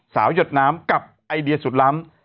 หยดน้ำกับไอเดียสุดล้ำ